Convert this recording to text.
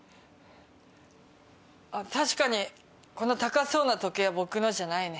確かにこの高そうな時計は僕のじゃないね。